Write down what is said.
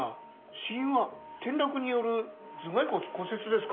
死因は転落による頭蓋骨骨折ですか。